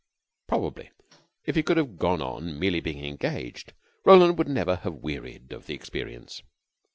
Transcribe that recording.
Probably, if he could have gone on merely being engaged, Roland would never have wearied of the experience.